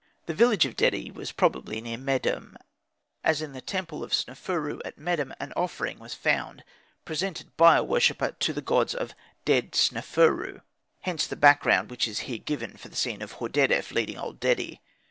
The village of Dedi was probably near Medum, as in the temple of Sneferu at Medum an offering was found presented by a worshipper to the gods of Ded sneferu: hence the background which is here given for the scene of Hordedef leading old Dedi.